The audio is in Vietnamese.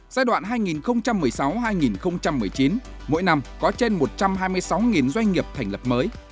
giai đoạn hai nghìn một mươi sáu hai nghìn một mươi chín mỗi năm có trên một trăm hai mươi sáu doanh nghiệp thành lập mới